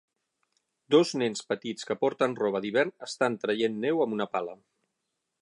Dos nens petits que porten roba d'hivern estan traient neu amb una pala.